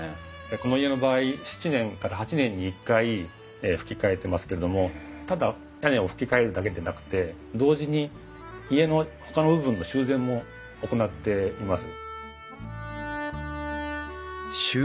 この家の場合７年から８年に一回ふき替えてますけれどもただ屋根をふき替えるだけでなくて同時に家のほかの部分の修繕も行っています。